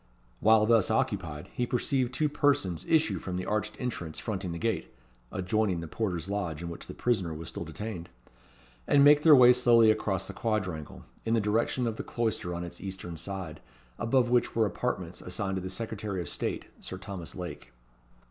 While thus occupied, he perceived two persons issue from the arched entrance fronting the gate (adjoining the porter's lodge, in which the prisoner was still detained), and make their way slowly across the quadrangle, in the direction of the cloister on its eastern side, above which were apartments assigned to the Secretary of State, Sir Thomas Lake.